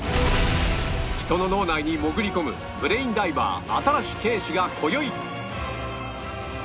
人の脳内に潜り込むブレインダイバー新子景視が今宵